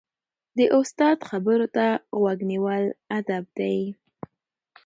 د استاد خبرو ته غوږ نیول ادب دی.